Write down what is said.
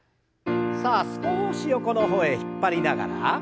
さあ少し横の方へ引っ張りながら。